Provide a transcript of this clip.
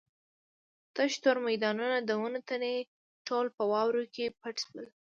تش تور میدانونه د ونو تنې ټول په واورو کې پټ شول.